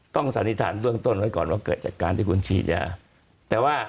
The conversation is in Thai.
สันนิษฐานเบื้องต้นไว้ก่อนว่าเกิดจากการที่คุณฉีดยาแต่ว่า